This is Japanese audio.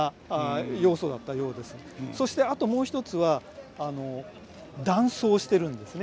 そしてあともう一つは男装してるんですね。